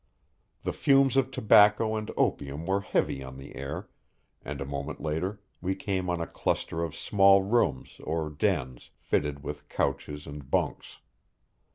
The fumes of tobacco and opium were heavy on the air, and a moment later we came on a cluster of small rooms or dens, fitted with couches and bunks.